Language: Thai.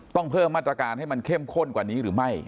ต้องเพิ่มมาตรการให้มันเข้มข้นกว่านี้หรือไม่